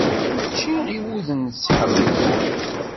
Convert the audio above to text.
Mačči i wid ur nettḥamal.